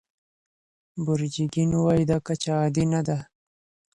بورجیګین وايي دا کچه عادي نه ده.